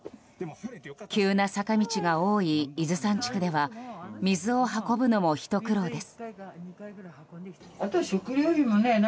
急な坂道が多い伊豆山地区では水を運ぶのもひと苦労です。